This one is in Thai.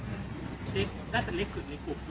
น่าจะเล็กสุดของกลุ่ม